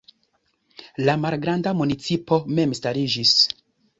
La malgranda municipo memstariĝis.